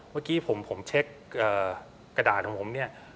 เมื่อกี้ผมเช็คกระดาษของผมเนี่ย